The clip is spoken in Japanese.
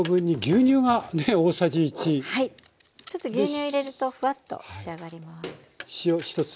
ちょっと牛乳入れるとフワッと仕上がります。